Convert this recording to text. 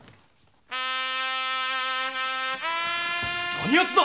何やつだ！